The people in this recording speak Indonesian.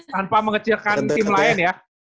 tanpa mengecilkan tim lain ya